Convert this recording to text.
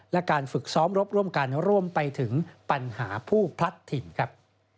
และการฝึกซ้อมรบร่วมกันร่วมไปถึงปัญหาผู้พลัดถิ่นครับ